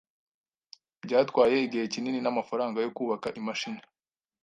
Byatwaye igihe kinini namafaranga yo kubaka imashini.